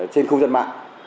trên khu dân mạng